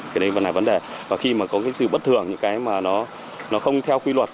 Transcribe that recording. cái đấy vẫn là vấn đề và khi mà có cái sự bất thường những cái mà nó không theo quy luật